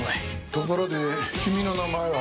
ところで君の名前は？